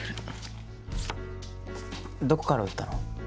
どこから撃ったの？